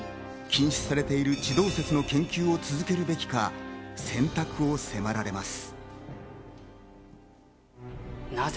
禁止されている地動説の研究を続けるべきか、選択を迫られます。